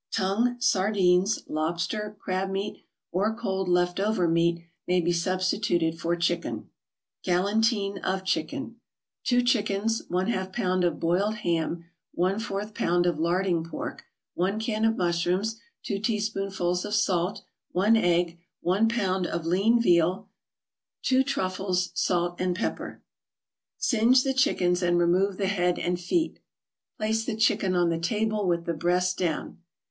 Tongue, sardines, lobster, crab meat or cold left over meat may be substituted for chicken. GALANTINE OF CHICKEN 2 chickens 1/2 pound of boiled ham 1/4 pound of larding pork 1 can of mushrooms 2 teaspoonfuls of salt 1 egg 1 pound of lean veal 2 truffles Salt and pepper Singe the chickens, and remove the head and feet; place the chicken on the table with the breast down.